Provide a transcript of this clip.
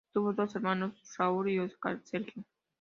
Tuvo dos hermanos, Raúl y Óscar Sergio.